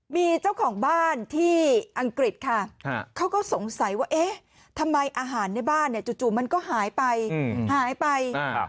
มีเจ้าของบ้านที่อังกฤษค่ะเขาก็สงสัยว่าเอ๊ะทำไมอาหารในบ้านเนี่ยจู่มันก็หายไปหายไป